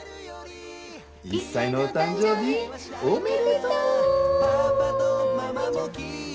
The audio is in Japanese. １歳のお誕生日おめでとう！